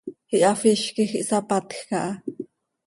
Ihafíz quij ihsapatjc aha.